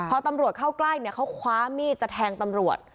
พอตำรวจเข้าใกล้เนี่ยเขาคว้ามีดจะแทงตำรวจ